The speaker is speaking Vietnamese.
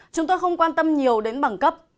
chúng tôi không quan tâm nhiều đến bằng cấp